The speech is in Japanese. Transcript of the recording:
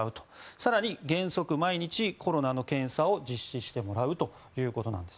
更に原則毎日、コロナの検査を実施してもらうということです。